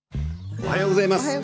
おはようございます。